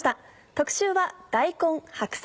特集は「大根・白菜」。